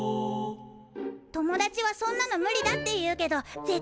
友達はそんなの無理だって言うけど絶対なるの！